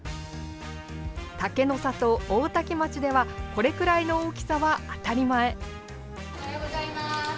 竹の里、大多喜町ではこれくらいの大きさは当たり前。